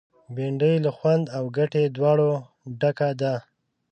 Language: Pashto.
بېنډۍ له خوند او ګټې دواړو ډکه ده